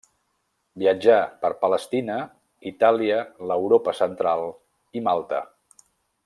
Viatjà per Palestina, Itàlia, l'Europa central i Malta.